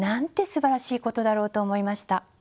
すばらしいことだろうと思いました。